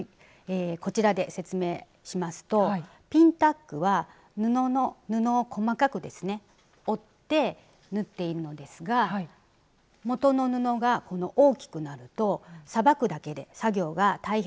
こちらで説明しますとピンタックは布を細かく折って縫っているのですがもとの布が大きくなるとさばくだけで作業が大変になってきますので。